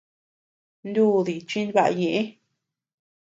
Nudii chinbaʼa ñeʼë.